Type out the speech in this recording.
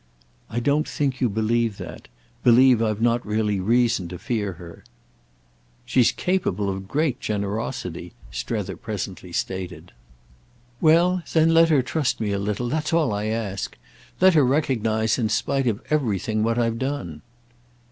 "I don't think you believe that—believe I've not really reason to fear her." "She's capable of great generosity," Strether presently stated. "Well then let her trust me a little. That's all I ask. Let her recognise in spite of everything what I've done."